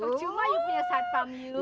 percuma you punya satpam you